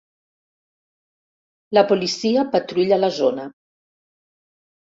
La policia patrulla la zona.